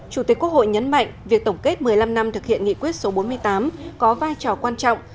chủ tịch quốc hội nhấn mạnh việc tổng kết một mươi năm năm thực hiện nghị quyết số bốn mươi tám có vai trò quan trọng